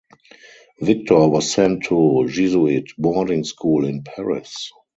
Victor was sent to Jesuit boarding school in Paris.